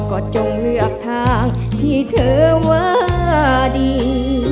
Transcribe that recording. ก็จงเลือกทางที่เธอว่าดี